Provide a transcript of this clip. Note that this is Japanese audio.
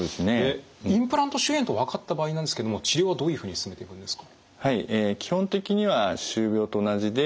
インプラント周囲炎と分かった場合なんですけども治療はどういうふうに進めていくんですか？